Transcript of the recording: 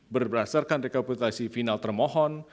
berdasarkan rekapitulasi final termohon